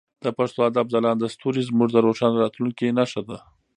د پښتو ادب ځلانده ستوري زموږ د روښانه راتلونکي نښه ده.